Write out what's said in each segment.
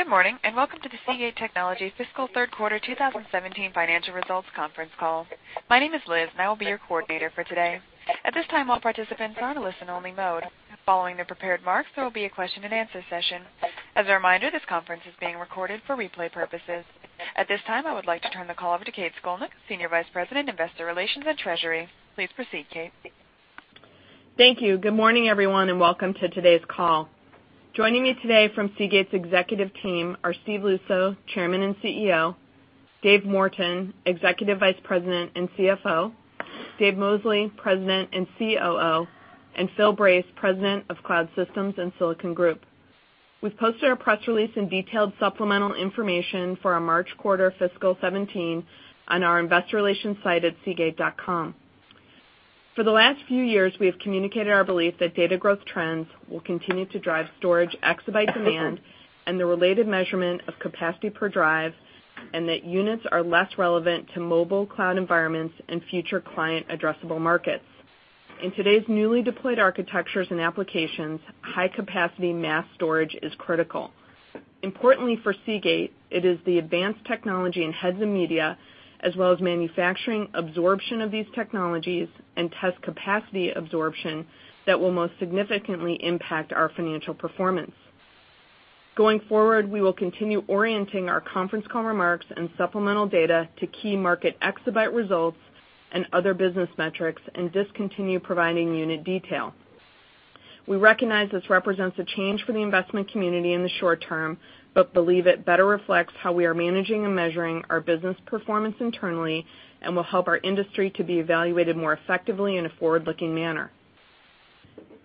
Good morning, and welcome to the Seagate Technology fiscal third quarter 2017 financial results conference call. My name is Liz, and I will be your coordinator for today. At this time, all participants are in listen only mode. Following the prepared remarks, there will be a question and answer session. As a reminder, this conference is being recorded for replay purposes. At this time, I would like to turn the call over to Kate Scolnick, Senior Vice President, Investor Relations and Treasury. Please proceed, Kate. Thank you. Good morning, everyone, and welcome to today's call. Joining me today from Seagate's executive team are Steve Luczo, Chairman and CEO, David Morton, Executive Vice President and CFO, Dave Mosley, President and COO, and Phil Brace, President of Cloud Systems and Silicon Group. We've posted our press release and detailed supplemental information for our March quarter fiscal 2017 on our investor relations site at seagate.com. For the last few years, we have communicated our belief that data growth trends will continue to drive storage exabyte demand and the related measurement of capacity per drive, and that units are less relevant to mobile cloud environments and future client addressable markets. In today's newly deployed architectures and applications, high-capacity mass storage is critical. Importantly for Seagate, it is the advanced technology in heads and media, as well as manufacturing absorption of these technologies and test capacity absorption that will most significantly impact our financial performance. Going forward, we will continue orienting our conference call remarks and supplemental data to key market exabyte results and other business metrics, and discontinue providing unit detail. We recognize this represents a change for the investment community in the short term, but believe it better reflects how we are managing and measuring our business performance internally and will help our industry to be evaluated more effectively in a forward-looking manner.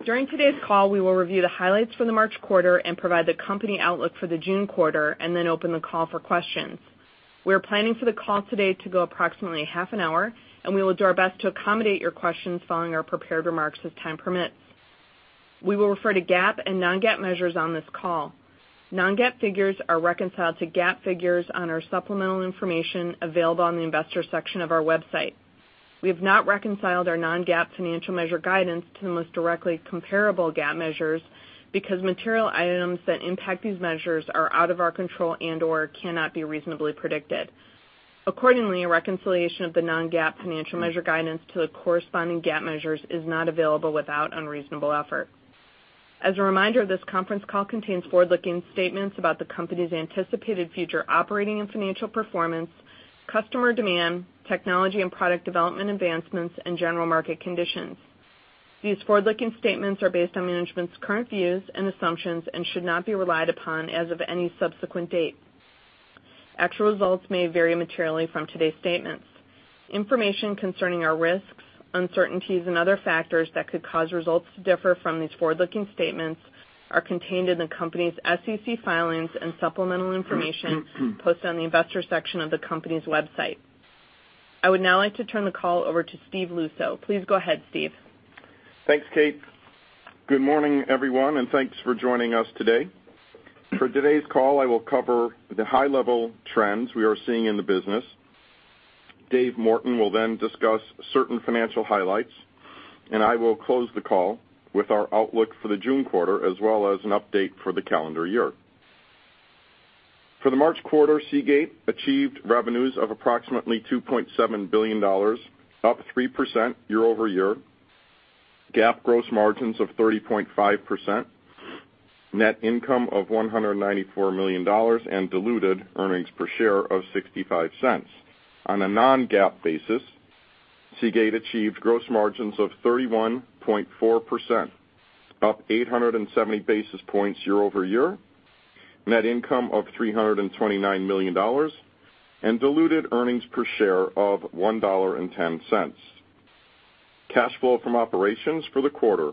During today's call, we will review the highlights for the March quarter and provide the company outlook for the June quarter and then open the call for questions. We are planning for the call today to go approximately half an hour, and we will do our best to accommodate your questions following our prepared remarks as time permits. We will refer to GAAP and non-GAAP measures on this call. Non-GAAP figures are reconciled to GAAP figures on our supplemental information available on the investor section of our website. We have not reconciled our non-GAAP financial measure guidance to the most directly comparable GAAP measures because material items that impact these measures are out of our control and/or cannot be reasonably predicted. Accordingly, a reconciliation of the non-GAAP financial measure guidance to the corresponding GAAP measures is not available without unreasonable effort. As a reminder, this conference call contains forward-looking statements about the company's anticipated future operating and financial performance, customer demand, technology and product development advancements, and general market conditions. These forward-looking statements are based on management's current views and assumptions and should not be relied upon as of any subsequent date. Actual results may vary materially from today's statements. Information concerning our risks, uncertainties, and other factors that could cause results to differ from these forward-looking statements are contained in the company's SEC filings and supplemental information posted on the investor section of the company's website. I would now like to turn the call over to Steve Luczo. Please go ahead, Steve. Thanks, Kate. Good morning, everyone, and thanks for joining us today. For today's call, I will cover the high-level trends we are seeing in the business. David Morton will then discuss certain financial highlights. I will close the call with our outlook for the June quarter, as well as an update for the calendar year. For the March quarter, Seagate achieved revenues of approximately $2.7 billion, up 3% year-over-year, GAAP gross margins of 30.5%, net income of $194 million, and diluted earnings per share of $0.65. On a non-GAAP basis, Seagate achieved gross margins of 31.4%, up 870 basis points year-over-year, net income of $329 million, and diluted earnings per share of $1.10. Cash flow from operations for the quarter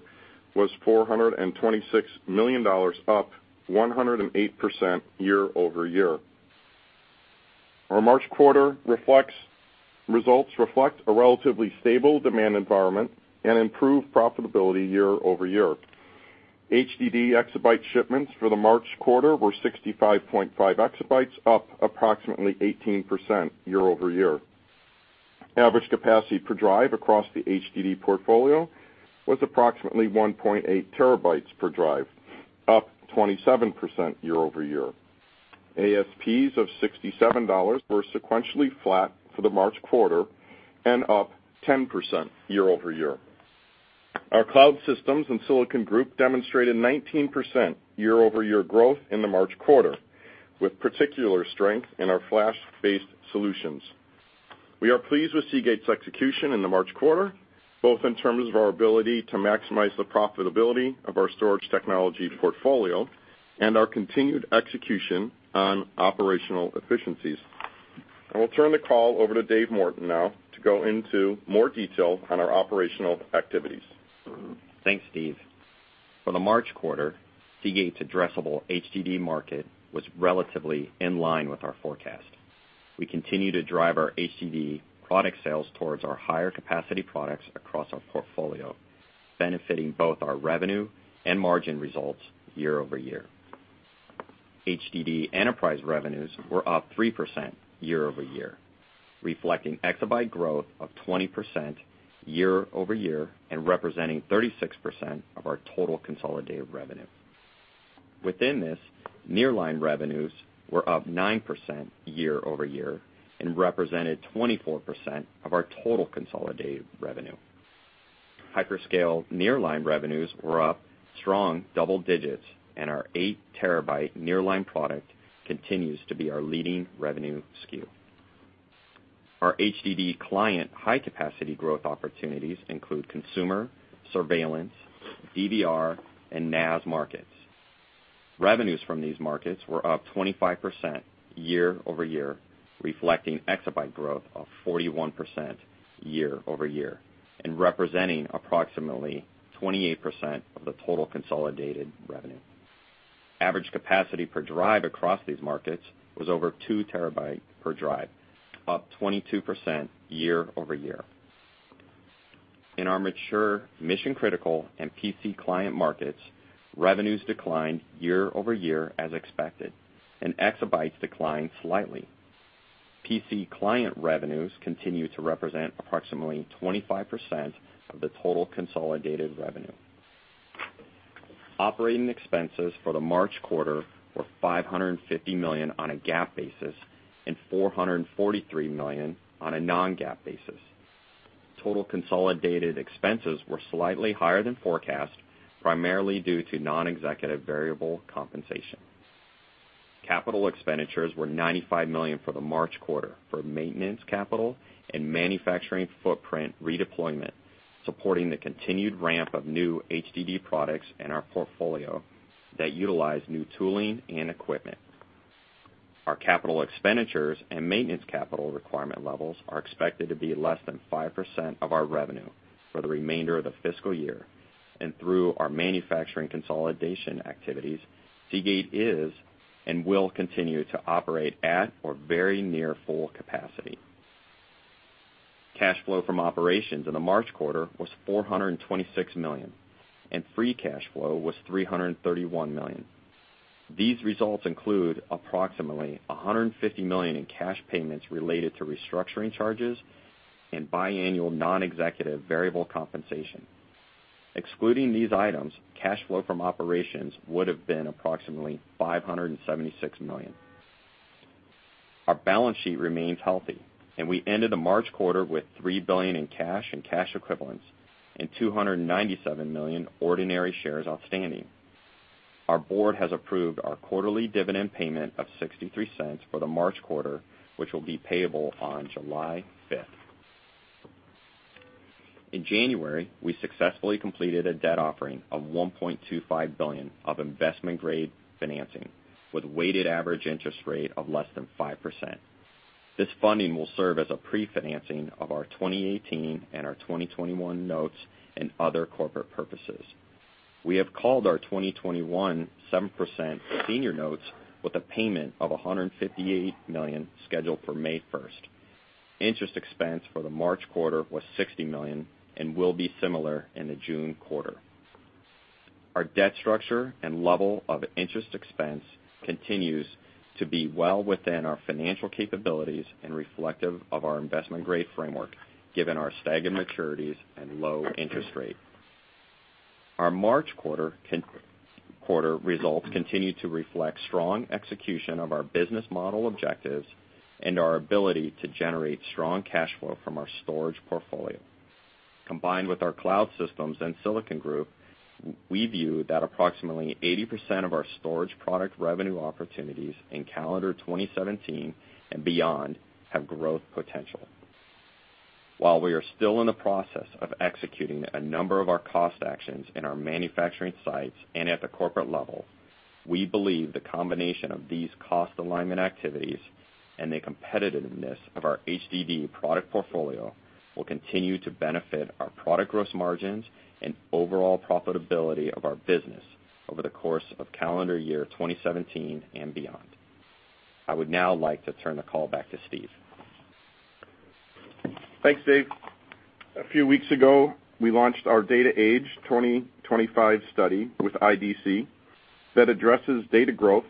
was $426 million, up 108% year-over-year. Our March quarter results reflect a relatively stable demand environment and improved profitability year-over-year. HDD exabyte shipments for the March quarter were 65.5 exabytes, up approximately 18% year-over-year. Average capacity per drive across the HDD portfolio was approximately 1.8 terabytes per drive, up 27% year-over-year. ASPs of $67 were sequentially flat for the March quarter and up 10% year-over-year. Our Cloud Systems and Silicon Group demonstrated 19% year-over-year growth in the March quarter, with particular strength in our flash-based solutions. We are pleased with Seagate's execution in the March quarter, both in terms of our ability to maximize the profitability of our storage technology portfolio and our continued execution on operational efficiencies. I will turn the call over to David Morton now to go into more detail on our operational activities. Thanks, Steve. For the March quarter, Seagate's addressable HDD market was relatively in line with our forecast. We continue to drive our HDD product sales towards our higher capacity products across our portfolio, benefiting both our revenue and margin results year-over-year. HDD enterprise revenues were up 3% year-over-year, reflecting exabyte growth of 20% year-over-year and representing 36% of our total consolidated revenue. Within this, nearline revenues were up 9% year-over-year and represented 24% of our total consolidated revenue. Hyperscale nearline revenues were up strong double digits. Our eight terabyte nearline product continues to be our leading revenue SKU. Our HDD client high-capacity growth opportunities include consumer, surveillance, DVR, and NAS markets. Revenues from these markets were up 25% year-over-year, reflecting exabyte growth of 41% year-over-year and representing approximately 28% of the total consolidated revenue. Average capacity per drive across these markets was over two terabyte per drive, up 22% year-over-year. In our mature mission-critical and PC client markets, revenues declined year-over-year as expected, and exabytes declined slightly. PC client revenues continue to represent approximately 25% of the total consolidated revenue. Operating expenses for the March quarter were $550 million on a GAAP basis and $443 million on a non-GAAP basis. Total consolidated expenses were slightly higher than forecast, primarily due to non-executive variable compensation. Capital expenditures were $95 million for the March quarter for maintenance capital and manufacturing footprint redeployment, supporting the continued ramp of new HDD products in our portfolio that utilize new tooling and equipment. Our capital expenditures and maintenance capital requirement levels are expected to be less than 5% of our revenue for the remainder of the fiscal year. Through our manufacturing consolidation activities, Seagate is and will continue to operate at or very near full capacity. Cash flow from operations in the March quarter was $426 million, and free cash flow was $331 million. These results include approximately $150 million in cash payments related to restructuring charges and biannual non-executive variable compensation. Excluding these items, cash flow from operations would've been approximately $576 million. Our balance sheet remains healthy, and we ended the March quarter with $3 billion in cash and cash equivalents and 297 million ordinary shares outstanding. Our board has approved our quarterly dividend payment of $0.63 for the March quarter, which will be payable on July 5th. In January, we successfully completed a debt offering of $1.25 billion of investment-grade financing with weighted average interest rate of less than 5%. This funding will serve as a pre-financing of our 2018 and our 2021 notes and other corporate purposes. We have called our 2021 7% senior notes with a payment of $158 million scheduled for May 1st. Interest expense for the March quarter was $60 million and will be similar in the June quarter. Our debt structure and level of interest expense continues to be well within our financial capabilities and reflective of our investment-grade framework, given our staggered maturities and low interest rate. Our March quarter results continue to reflect strong execution of our business model objectives and our ability to generate strong cash flow from our storage portfolio. Combined with our Cloud Systems and Silicon Group, we view that approximately 80% of our storage product revenue opportunities in calendar 2017 and beyond have growth potential. While we are still in the process of executing a number of our cost actions in our manufacturing sites and at the corporate level, we believe the combination of these cost alignment activities and the competitiveness of our HDD product portfolio will continue to benefit our product gross margins and overall profitability of our business over the course of calendar year 2017 and beyond. I would now like to turn the call back to Steve. Thanks, Dave. A few weeks ago, we launched our Data Age 2025 study with IDC that addresses data growth,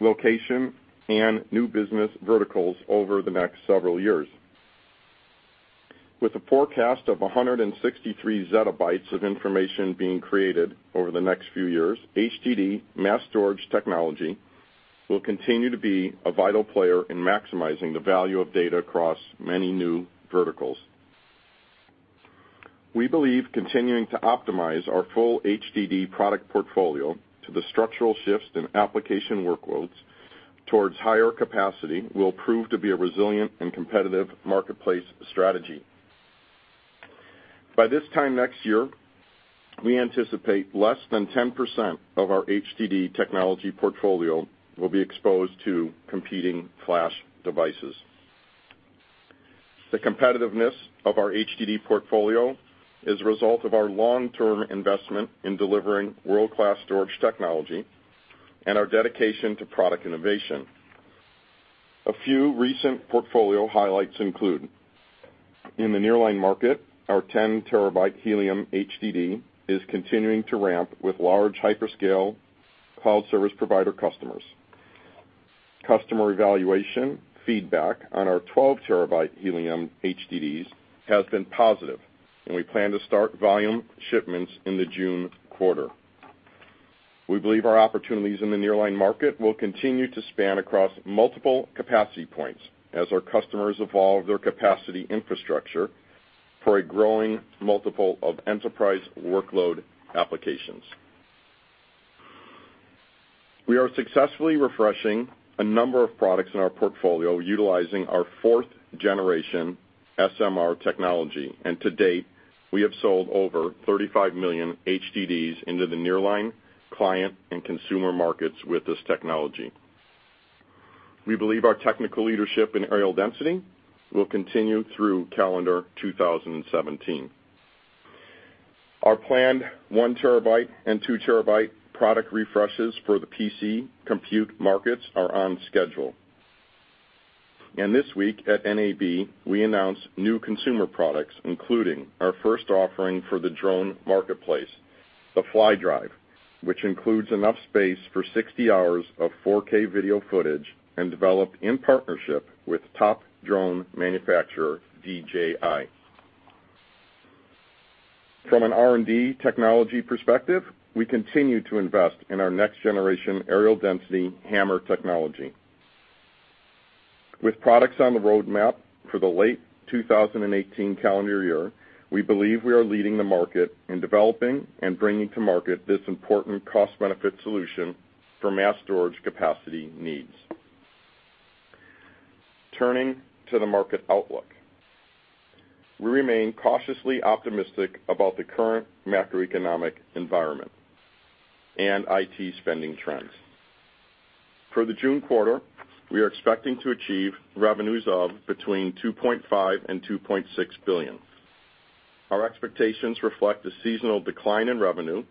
location, and new business verticals over the next several years. With a forecast of 163 zettabytes of information being created over the next few years, HDD mass storage technology will continue to be a vital player in maximizing the value of data across many new verticals. We believe continuing to optimize our full HDD product portfolio to the structural shifts in application workloads towards higher capacity will prove to be a resilient and competitive marketplace strategy. By this time next year, we anticipate less than 10% of our HDD technology portfolio will be exposed to competing flash devices. The competitiveness of our HDD portfolio is a result of our long-term investment in delivering world-class storage technology and our dedication to product innovation. A few recent portfolio highlights include In the nearline market, our 10 terabyte helium HDD is continuing to ramp with large hyperscale cloud service provider customers. Customer evaluation feedback on our 12 terabyte helium HDDs has been positive, and we plan to start volume shipments in the June quarter. We believe our opportunities in the nearline market will continue to span across multiple capacity points as our customers evolve their capacity infrastructure for a growing multiple of enterprise workload applications. We are successfully refreshing a number of products in our portfolio utilizing our fourth generation SMR technology. To date, we have sold over 35 million HDDs into the nearline client and consumer markets with this technology. We believe our technical leadership in areal density will continue through calendar 2017. Our planned one terabyte and two terabyte product refreshes for the PC compute markets are on schedule. This week at NAB, we announced new consumer products, including our first offering for the drone marketplace, the DJI Fly Drive, which includes enough space for 60 hours of 4K video footage and developed in partnership with top drone manufacturer, DJI. From an R&D technology perspective, we continue to invest in our next-generation areal density HAMR technology. With products on the roadmap for the late 2018 calendar year, we believe we are leading the market in developing and bringing to market this important cost-benefit solution for mass storage capacity needs. Turning to the market outlook. We remain cautiously optimistic about the current macroeconomic environment and IT spending trends. For the June quarter, we are expecting to achieve revenues of between $2.5 billion and $2.6 billion. Our expectations reflect a seasonal decline in revenue,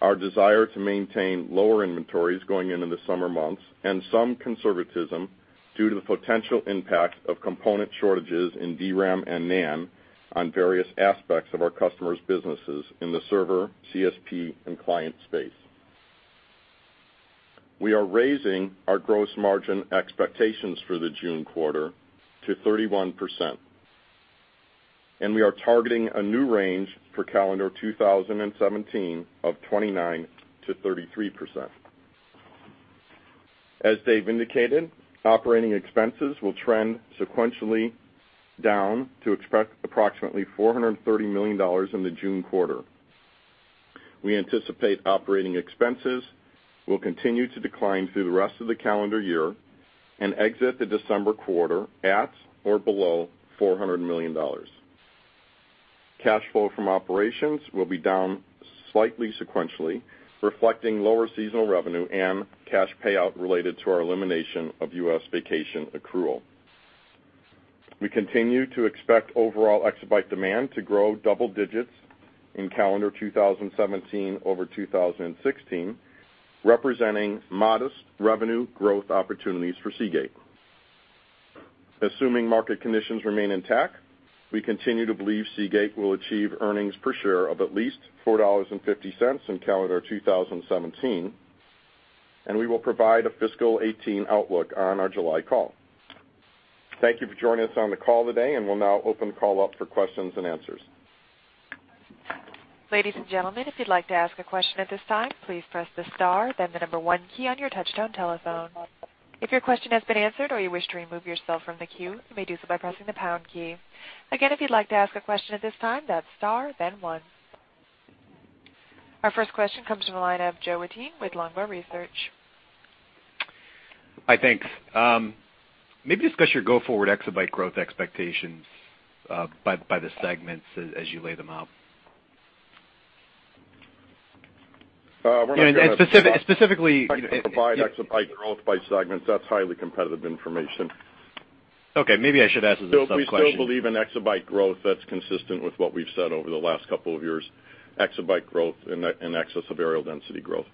our desire to maintain lower inventories going into the summer months, and some conservatism due to the potential impact of component shortages in DRAM and NAND on various aspects of our customers' businesses in the server, CSP, and client space. We are raising our gross margin expectations for the June quarter to 31%, and we are targeting a new range for calendar 2017 of 29%-33%. As Dave indicated, operating expenses will trend sequentially down to approximately $430 million in the June quarter. We anticipate operating expenses will continue to decline through the rest of the calendar year and exit the December quarter at or below $400 million. Cash flow from operations will be down slightly sequentially, reflecting lower seasonal revenue and cash payout related to our elimination of U.S. vacation accrual. We continue to expect overall exabyte demand to grow double digits in calendar 2017 over 2016, representing modest revenue growth opportunities for Seagate. Assuming market conditions remain intact, we continue to believe Seagate will achieve earnings per share of at least $4.50 in calendar 2017, and we'll provide a fiscal 2018 outlook on our July call. Thank you for joining us on the call today, and we'll now open the call up for questions and answers. Ladies and gentlemen, if you'd like to ask a question at this time, please press the star then the number one key on your touchtone telephone. If your question has been answered or you wish to remove yourself from the queue, you may do so by pressing the pound key. Again, if you'd like to ask a question at this time, that's star, then one. Our first question comes from the line of Joe Wittine with Longbow Research. Hi, thanks. Maybe discuss your go-forward exabyte growth expectations by the segments as you lay them out. We're not going to- specifically Provide exabyte growth by segments. That's highly competitive information. Okay, maybe I should ask it as a sub-question. We still believe in exabyte growth that's consistent with what we've said over the last couple of years, exabyte growth in excess of areal density growth.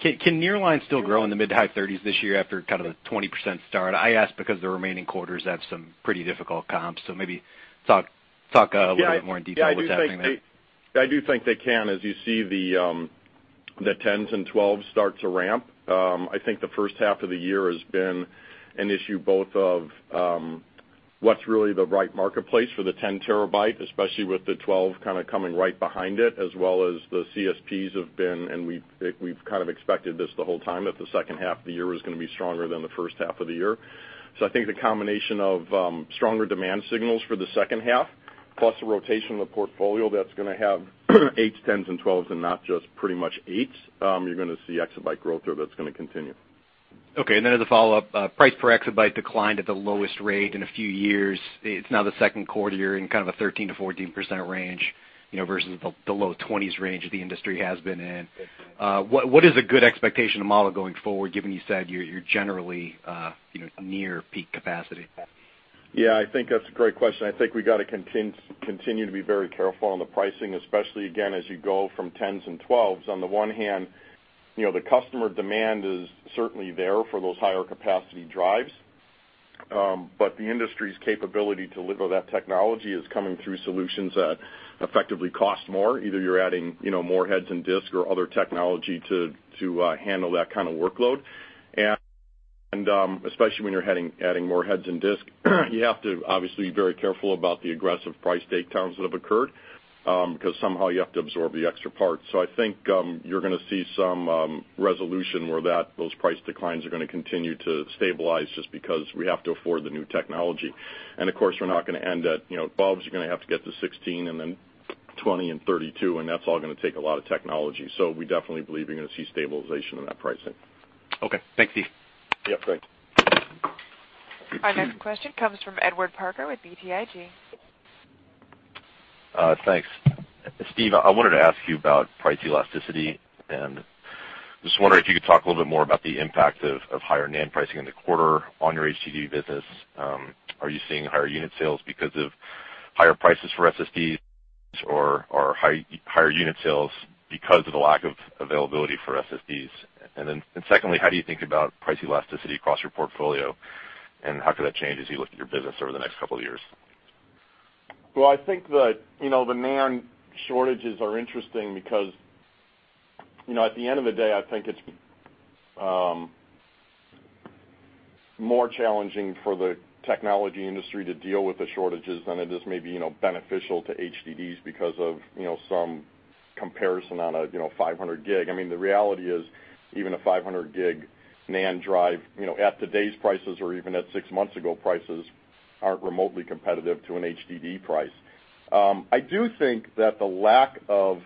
Can nearline still grow in the mid-to-high 30s this year after the 20% start? I ask because the remaining quarters have some pretty difficult comps. Maybe talk a little bit more in detail what's happening there. I do think they can. As you see the 10s and 12s start to ramp, I think the first half of the year has been an issue both of what's really the right marketplace for the 10 terabyte, especially with the 12 coming right behind it, as well as the CSPs have been, and we've kind of expected this the whole time, that the second half of the year was going to be stronger than the first half of the year. I think the combination of stronger demand signals for the second half, plus the rotation of the portfolio that's going to have 8s, 10s, and 12s and not just pretty much 8s, you're going to see exabyte growth there that's going to continue. As a follow-up, price per exabyte declined at the lowest rate in a few years. It's now the second quarter, you're in kind of a 13%-14% range, versus the low 20s range that the industry has been in. What is a good expectation to model going forward, given you said you're generally near peak capacity? I think that's a great question. I think we got to continue to be very careful on the pricing, especially again, as you go from 10s and 12s. On the one hand, the customer demand is certainly there for those higher capacity drives. The industry's capability to deliver that technology is coming through solutions that effectively cost more. Either you're adding more heads and disk or other technology to handle that kind of workload. Especially when you're adding more heads and disk, you have to obviously be very careful about the aggressive price takedowns that have occurred, because somehow you have to absorb the extra parts. I think you're going to see some resolution where those price declines are going to continue to stabilize just because we have to afford the new technology. Of course, we're not going to end at 12s are going to have to get to 16, then 20 and 32, and that's all going to take a lot of technology. We definitely believe you're going to see stabilization in that pricing. Thanks, Steve. Great. Our next question comes from Edward Parker with BTIG. Thanks. Steve, I wanted to ask you about price elasticity. Just wondering if you could talk a little bit more about the impact of higher NAND pricing in the quarter on your HDD business. Are you seeing higher unit sales because of higher prices for SSDs or higher unit sales because of the lack of availability for SSDs? Secondly, how do you think about price elasticity across your portfolio, and how could that change as you look at your business over the next couple of years? Well, I think that the NAND shortages are interesting because, at the end of the day, I think it's more challenging for the technology industry to deal with the shortages than it is maybe beneficial to HDDs because of some comparison on a 500-gig. The reality is, even a 500-gig NAND drive, at today's prices or even at six months ago prices, aren't remotely competitive to an HDD price. I do think that the lack of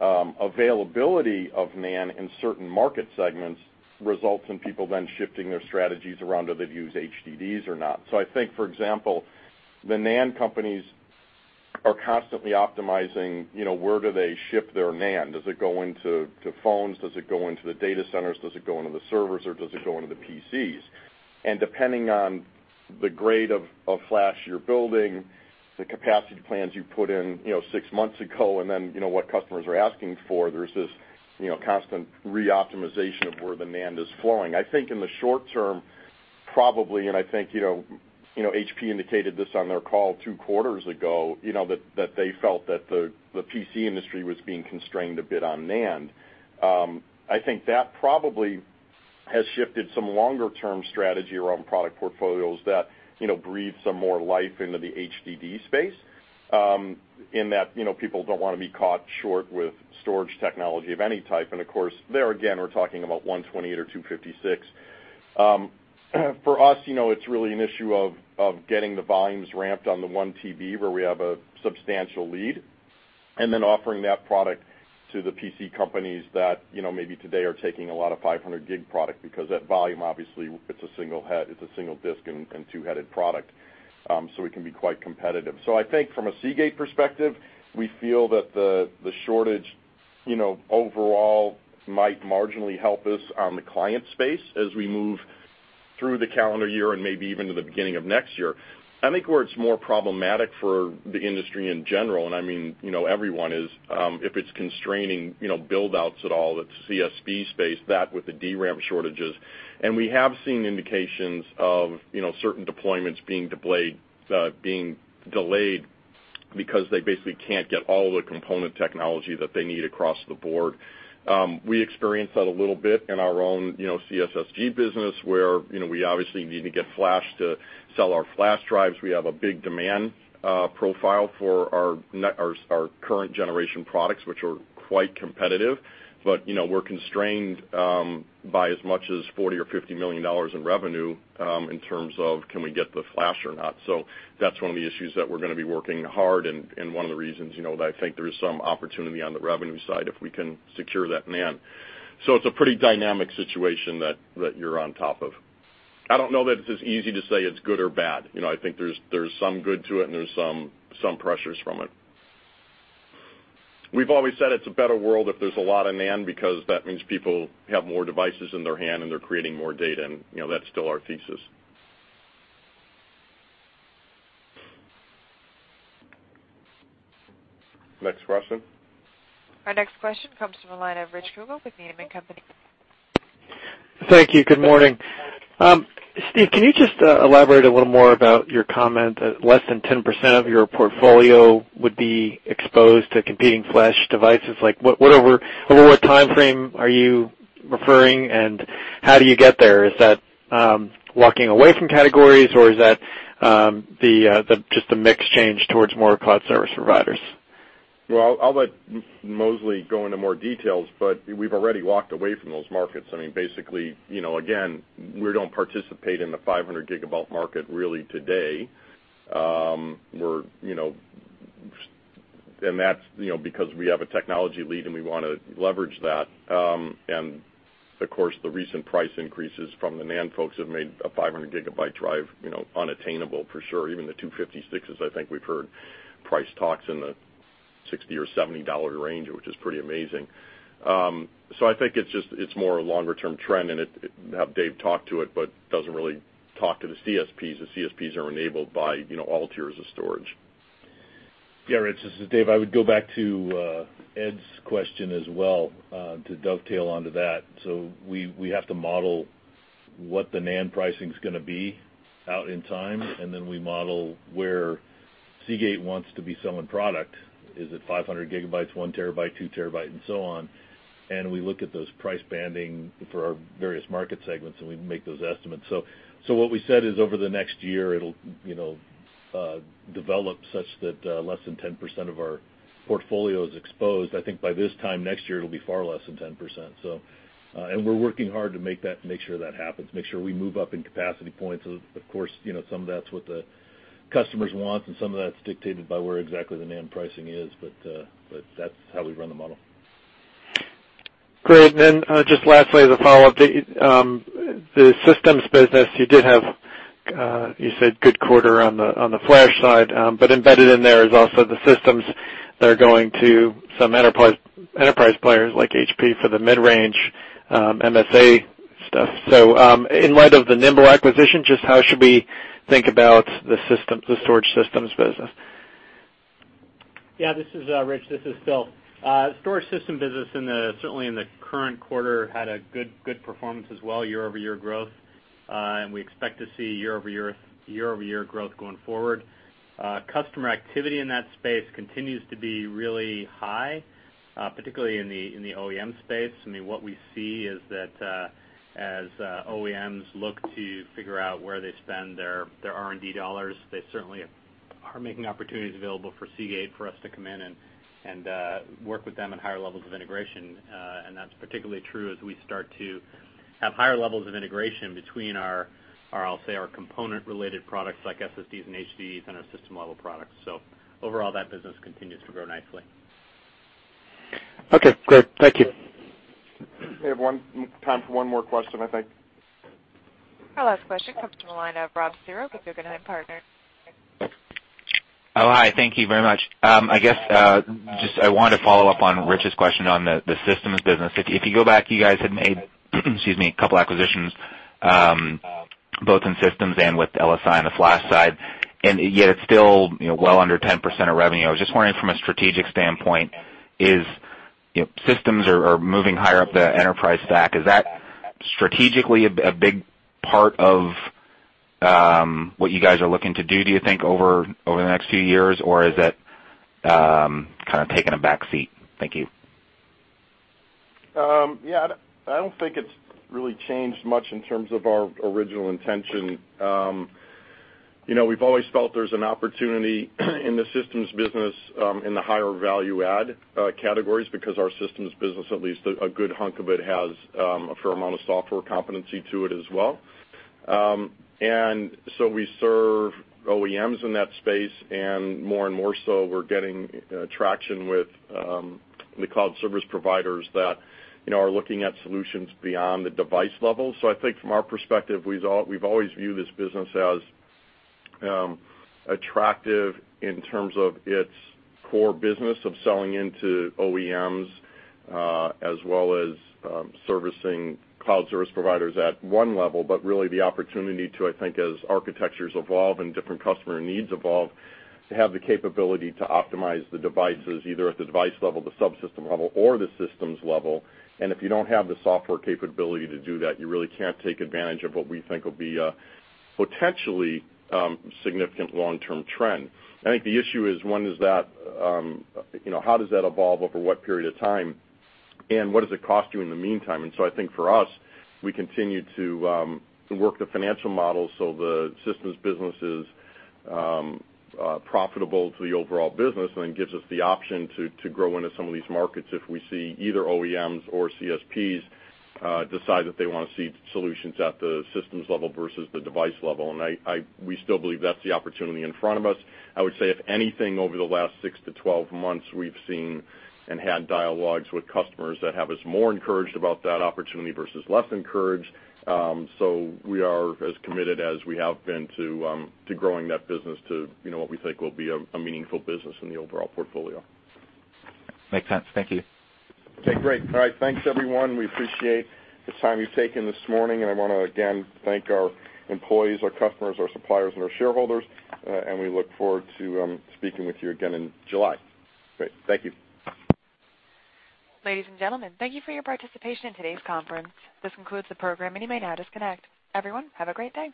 availability of NAND in certain market segments results in people then shifting their strategies around whether they'd use HDDs or not. I think, for example, the NAND companies are constantly optimizing where do they ship their NAND. Does it go into phones? Does it go into the data centers? Does it go into the servers, or does it go into the PCs? Depending on the grade of flash you're building, the capacity plans you put in six months ago, and then what customers are asking for, there's this constant re-optimization of where the NAND is flowing. I think in the short term, probably, I think HP indicated this on their call two quarters ago, that they felt that the PC industry was being constrained a bit on NAND. I think that probably has shifted some longer-term strategy around product portfolios that breathe some more life into the HDD space, in that people don't want to be caught short with storage technology of any type. Of course, there again, we're talking about 128 or 256. For us, it's really an issue of getting the volumes ramped on the 1 TB, where we have a substantial lead, and then offering that product to the PC companies that maybe today are taking a lot of 500-gig product because that volume, obviously, it's a single disk and two-headed product. I think from a Seagate perspective, we feel that the shortage overall might marginally help us on the client space as we move through the calendar year and maybe even to the beginning of next year. I think where it's more problematic for the industry in general, and I mean everyone, is if it's constraining build-outs at all, that CSP space, that with the DRAM shortages. We have seen indications of certain deployments being delayed because they basically can't get all the component technology that they need across the board. We experience that a little bit in our own CSSG business, where we obviously need to get flash to sell our flash drives. We have a big demand profile for our current generation products, which are quite competitive. We're constrained by as much as $40 million or $50 million in revenue in terms of can we get the flash or not. That's one of the issues that we're going to be working hard and one of the reasons that I think there is some opportunity on the revenue side if we can secure that NAND. It's a pretty dynamic situation that you're on top of. I don't know that it's as easy to say it's good or bad. I think there's some good to it, and there's some pressures from it. We've always said it's a better world if there's a lot of NAND because that means people have more devices in their hand, and they're creating more data, and that's still our thesis. Next question. Our next question comes from the line of Rich Kugele with Needham & Company. Thank you. Good morning. Steve, can you just elaborate a little more about your comment that less than 10% of your portfolio would be exposed to competing flash devices? What over time frame are you referring, and how do you get there? Is that walking away from categories, or is that just a mix change towards more cloud service providers? I'll let Mosley go into more details, but we've already walked away from those markets. Basically, again, we don't participate in the 500 gigabyte market really today. That's because we have a technology lead, and we want to leverage that. Of course, the recent price increases from the NAND folks have made a 500-gigabyte drive unattainable for sure. Even the 256's, I think we've heard price talks in the $60 or $70 range, which is pretty amazing. I think it's more a longer-term trend, and have Dave talk to it, but it doesn't really talk to the CSPs. The CSPs are enabled by all tiers of storage. Yeah, Rich, this is Dave. I would go back to Ed's question as well, to dovetail onto that. We have to model what the NAND pricing's going to be out in time, and then we model where Seagate wants to be selling product. Is it 500 GB, one terabyte, two terabyte, and so on? We look at those price banding for our various market segments, and we make those estimates. What we said is over the next year, it'll develop such that less than 10% of our portfolio is exposed. I think by this time next year, it'll be far less than 10%. We're working hard to make sure that happens, make sure we move up in capacity points. Of course, some of that's what the customers want, and some of that's dictated by where exactly the NAND pricing is. That's how we run the model. Great. Just lastly, as a follow-up, the systems business, you did have, you said good quarter on the flash side, but embedded in there is also the systems that are going to some enterprise players like HP for the mid-range MSA stuff. In light of the Nimble acquisition, just how should we think about the storage systems business? This is Rich, this is Phil. Storage system business certainly in the current quarter had a good performance as well, year-over-year growth. We expect to see year-over-year growth going forward. Customer activity in that space continues to be really high, particularly in the OEM space. What we see is that as OEMs look to figure out where they spend their R&D dollars, they certainly are making opportunities available for Seagate for us to come in and work with them at higher levels of integration. That's particularly true as we start to have higher levels of integration between our, I'll say, our component-related products like SSDs and HDDs and our system-level products. Overall, that business continues to grow nicely. Great. Thank you. We have time for one more question, I think. Our last question comes from the line of Robert Cihra with Guggenheim Partners. Oh, hi. Thank you very much. I guess, just I wanted to follow up on Rich's question on the systems business. If you go back, you guys had made, excuse me, two acquisitions, both in systems and with LSI on the flash side, yet it's still well under 10% of revenue. I was just wondering from a strategic standpoint, systems are moving higher up the enterprise stack. Is that strategically a big part of what you guys are looking to do you think, over the next few years, or is it kind of taking a back seat? Thank you. Yeah, I don't think it's really changed much in terms of our original intention. We've always felt there's an opportunity in the systems business in the higher value add categories because our systems business, at least a good hunk of it, has a fair amount of software competency to it as well. We serve OEMs in that space, and more and more so we're getting traction with the cloud service providers that are looking at solutions beyond the device level. I think from our perspective, we've always viewed this business as attractive in terms of its core business of selling into OEMs, as well as servicing cloud service providers at one level. Really the opportunity to, I think, as architectures evolve and different customer needs evolve, to have the capability to optimize the devices, either at the device level, the subsystem level, or the systems level. If you don't have the software capability to do that, you really can't take advantage of what we think will be a potentially significant long-term trend. I think the issue is how does that evolve over what period of time, and what does it cost you in the meantime? I think for us, we continue to work the financial model so the systems business is profitable to the overall business and gives us the option to grow into some of these markets if we see either OEMs or CSPs decide that they want to see solutions at the systems level versus the device level. We still believe that's the opportunity in front of us. I would say, if anything, over the last six to 12 months, we've seen and had dialogues with customers that have us more encouraged about that opportunity versus less encouraged. We are as committed as we have been to growing that business to what we think will be a meaningful business in the overall portfolio. Makes sense. Thank you. Okay, great. All right. Thanks, everyone. We appreciate the time you've taken this morning. I want to again thank our employees, our customers, our suppliers, and our shareholders. We look forward to speaking with you again in July. Great. Thank you. Ladies and gentlemen, thank you for your participation in today's conference. This concludes the program. You may now disconnect. Everyone, have a great day.